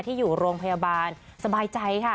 ที่อยู่โรงพยาบาลสบายใจค่ะ